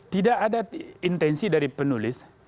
tidak ada intensi dari penulis